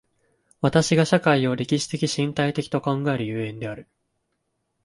私が社会を歴史的身体的と考える所以である。